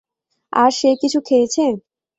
আর সে কিছু খেয়েছে?